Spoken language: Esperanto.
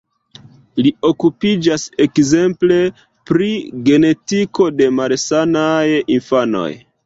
Li okupiĝas ekzemple pri genetiko de malsanaj infanoj.